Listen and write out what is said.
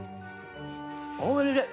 おいしい。